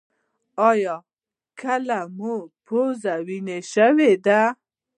ایا کله مو پوزه وینې شوې ده؟